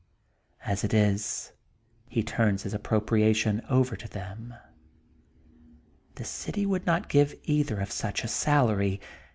As it is, he turns his appropriation over to them. The city would not give either of such a salary.